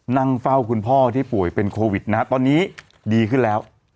นั่งเฝ้าคุณพ่อที่ป่วยเป็นโควิดนะฮะตอนนี้ดีขึ้นแล้ว